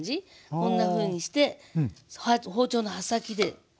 こんなふうにして包丁の刃先で。